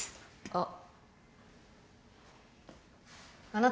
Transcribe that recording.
あっ